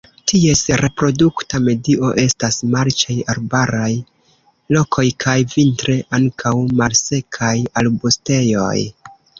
Ties reprodukta medio estas marĉaj arbaraj lokoj kaj vintre ankaŭ malsekaj arbustejoj.